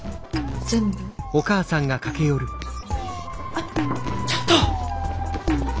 あっちょっと！